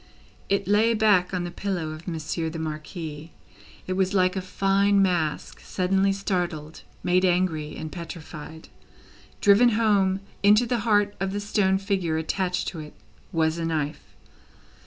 It lay back on the pillow of Monsieur the Marquis. It was like a fine mask, suddenly startled, made angry, and petrified. Driven home into the heart of the stone figure attached to it, was a knife.